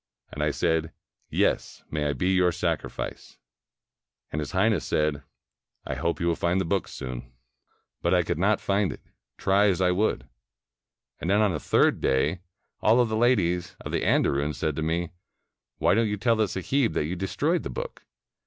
And I said, 'Yes; may I be your sacrifice!' And His Highness said, 'I hope you will find the book soon.' But 404 THE PRINCE WHO LOST HIS BOOK I could not find it, try as I would. And then, on the third day, all the ladies of the andarim said to me, * Wliy don't you tell the sahib that you destroyed the book?